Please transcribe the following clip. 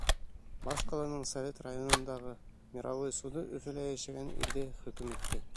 Баш ҡаланың Совет районындағы мировой суды Өфөлә йәшәгән ирҙе хөкөм итте.